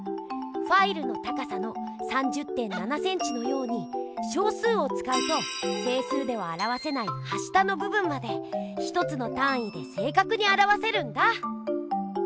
ファイルの高さの３０．７センチのように小数をつかうと整数ではあらわせないはしたのぶ分まで１つのたんいで正かくにあらわせるんだ！